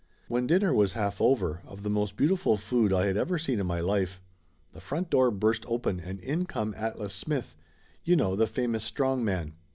When dinner was half over, of the most beautiful food I had ever seen in my life, the front door burst open and in come Atlas Smith ; you know, the famous strong man.